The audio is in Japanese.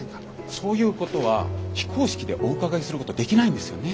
そういうことは非公式でお伺いすることできないんですよね。